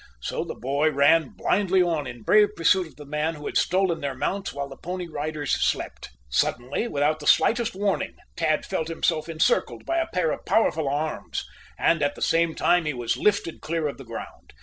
So the boy ran blindly on in brave pursuit of the man who had stolen their mounts while the Pony Riders slept. Suddenly, without the slightest warning, Tad felt himself encircled by a pair of powerful arms, and, at the same time, he was lifted clear of the ground.